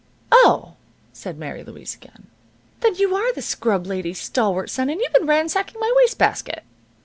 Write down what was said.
"Oh!" said Mary Louise again. "Then you are the scrub lady's stalwart son, and you've been ransacking my waste basket."